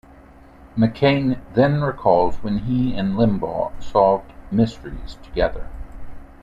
McCain then recalls when he and Limbaugh solved mysteries together.